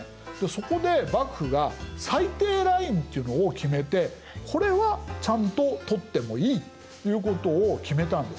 そこで幕府が最低ラインっていうのを決めてこれはちゃんと取ってもいいということを決めたんです。